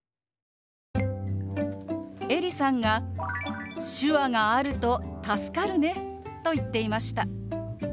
エリさんが「手話があると助かるね」と言っていました。